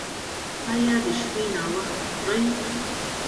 ایا د شپې ناوخته خورئ؟